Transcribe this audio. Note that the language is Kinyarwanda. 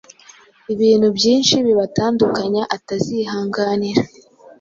ibintu byinshi bibatandukanya atazihanganira.